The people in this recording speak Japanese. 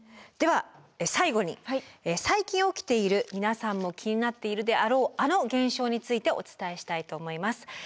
では最後に最近起きている皆さんも気になっているであろうあの現象についてお伝えしたいと思います。